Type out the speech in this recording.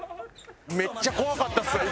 めっちゃ怖かったっすわ。